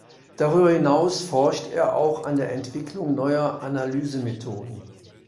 Darüber hinaus forscht er auch an der Entwicklung neuer Analysemethoden.